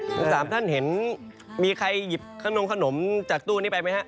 ทั้งสามท่านเห็นมีใครหยิบขนมขนมจากตู้นี้ไปไหมฮะ